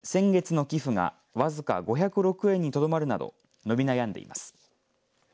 しかし、最近では先月の寄付が僅か５０６円にとどまるなど伸び悩んでいます。